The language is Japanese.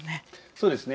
そうですね。